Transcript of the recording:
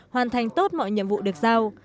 hoàn thành tốt mọi nhiệm vụ được giao